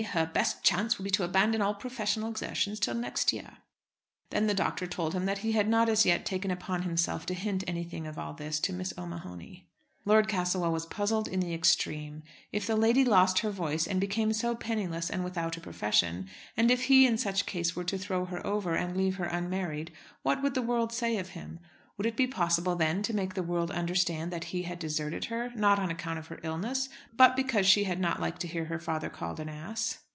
Her best chance will be to abandon all professional exertions till next year." Then the doctor told him that he had not as yet taken upon himself to hint anything of all this to Miss O'Mahony. Lord Castlewell was puzzled in the extreme. If the lady lost her voice and so became penniless and without a profession; and if he in such case were to throw her over, and leave her unmarried, what would the world say of him? Would it be possible then to make the world understand that he had deserted her, not on account of her illness, but because she had not liked to hear her father called an ass.